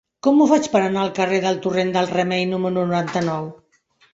Com ho faig per anar al carrer del Torrent del Remei número noranta-nou?